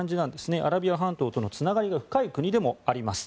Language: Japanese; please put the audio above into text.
アラビア半島とのつながりが深い国でもあります。